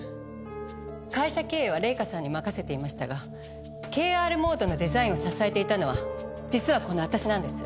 会社経営は玲香さんに任せていましたがＫＲｍｏｄｅのデザインを支えていたのは実はこの私なんです。